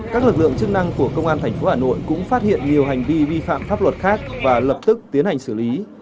các lực lượng chức năng của công an tp hà nội cũng phát hiện nhiều hành vi vi phạm pháp luật khác và lập tức tiến hành xử lý